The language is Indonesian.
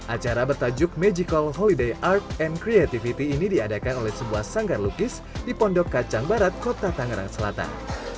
acara bertajuk magical holiday art and creativity ini diadakan oleh sebuah sanggar lukis di pondok kacang barat kota tangerang selatan